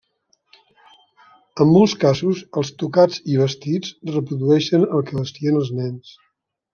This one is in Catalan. En molts casos els tocats i vestits reprodueixen el que vestien els nens.